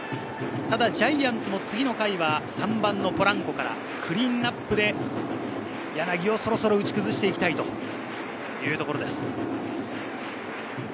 ただジャイアンツも次の回は３番のポランコからクリーンナップで柳をそろそろ打ち崩していきたいというところです。